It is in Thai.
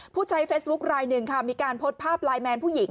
ผู้ใช้เฟซบุ๊คลายหนึ่งค่ะมีการโพสต์ภาพไลน์แมนผู้หญิง